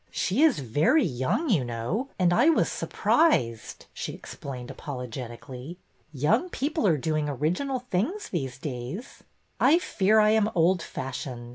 She is very young, you know, and I was surprised," she explained apologetically. '' Young people are doing original things these days." I fear I am old fashioned.